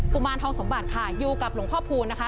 มารทองสมบัติค่ะอยู่กับหลวงพ่อพูนนะคะ